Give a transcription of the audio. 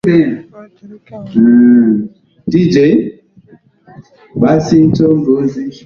waathirika wa mauaji ya kimbari walikuwa wahutu na watsi